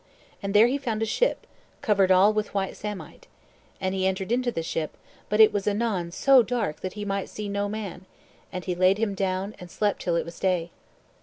And there he found a ship, covered all with white samite. And he entered into the ship; but it was anon so dark that he might see no man, and he laid him down and slept till it was day.